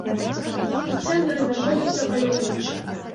У цэнтры знаходзіўся паляўнічы.